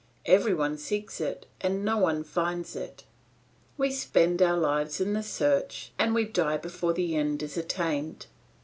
Every one seeks it, and no one finds it. We spend our lives in the search and we die before the end is attained.